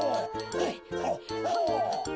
ほほっほっほ。